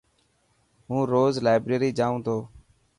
هون روز لائبريري جائون تو.